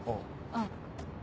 あっ。